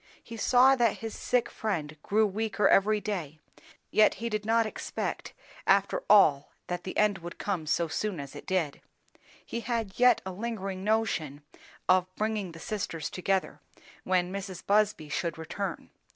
He saw that his sick friend grew weaker every day, yet he did not expect after all that the end would come so soon as it did. He had yet a lingering notion of bringing the sisters together, when Mrs. Busby should return.